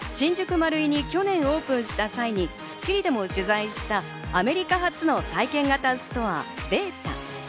マルイに去年オープンした際に『スッキリ』でも取材したアメリカ発の体験型ストア、ベータ。